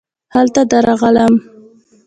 هلته درغلی وم .